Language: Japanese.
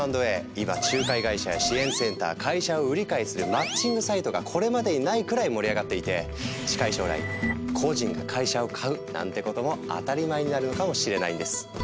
今仲介会社や支援センター会社を売り買いするマッチングサイトがこれまでにないくらい盛り上がっていて近い将来個人が会社を買うなんてことも当たり前になるのかもしれないんです。